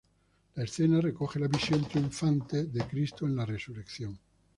La escena recoge la visión triunfante de Cristo en la resurrección.